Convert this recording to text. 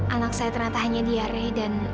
anak saya ternyata hanya diare dan